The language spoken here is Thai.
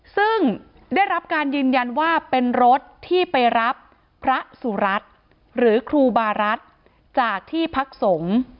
ซึ่งได้รับการยืนยันว่าเป็นรถที่ไปรับพระสุรัตน์หรือครูบารัฐจากที่พักสงฆ์